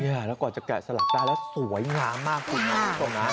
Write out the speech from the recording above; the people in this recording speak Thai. แล้วก่อนจะแกะสลักได้แล้วสวยงามมากขึ้นมากขึ้นนะ